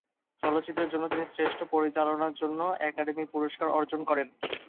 চলচ্চিত্রের জন্য তিনি শ্রেষ্ঠ পরিচালনার জন্য একাডেমি পুরস্কার অর্জন করেন।